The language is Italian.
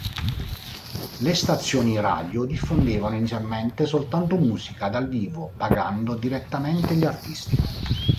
Le stazioni radio diffondevano inizialmente soltanto musica dal vivo, pagando direttamente gli artisti.